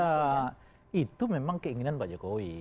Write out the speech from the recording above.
ya itu memang keinginan pak jokowi